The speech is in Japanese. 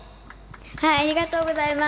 ありがとうございます。